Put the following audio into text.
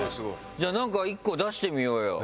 じゃあなんか１個出してみようよ。